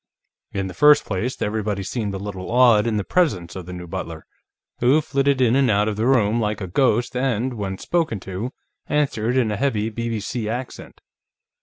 In the first place, everybody seemed a little awed in the presence of the new butler, who flitted in and out of the room like a ghost and, when spoken to, answered in a heavy B.B.C. accent.